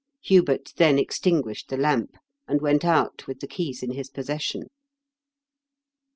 Hubert then extinguished the lamp, and went out, with the keys in his possession.